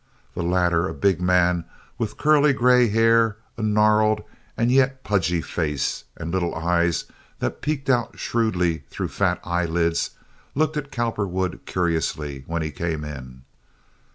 The latter, a big man with curly gray hair, a gnarled and yet pudgy face, and little eyes that peeked out shrewdly through fat eyelids, looked at Cowperwood curiously when he came in.